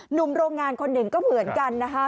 หนุ่มโรงงานคนหนึ่งก็เหมือนกันนะคะ